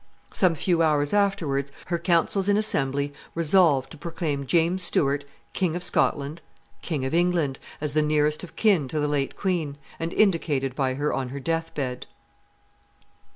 Some few hours afterwards, her counsellors in assembly resolved to proclaim James Stuart, King of Scotland, King of England, as the nearest of kin to the late queen, and indicated by her on her death bed.